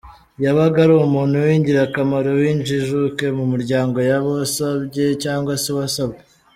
Yabaga ari umuntu w’ingirakamaro n’injijuke mu muryango yaba uwasabye cyangwa se uwasabwe.